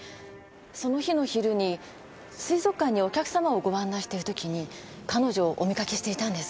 その日の昼に水族館にお客様をご案内してる時に彼女をお見かけしていたんです。